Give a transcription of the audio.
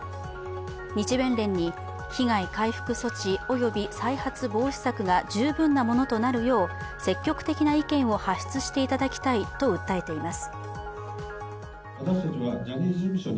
日弁連に被害回復措置および再発防止策が十分なものとなるよう積極的な意見を発出していただきたいと訴えています。